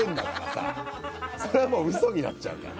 それは嘘になっちゃうから。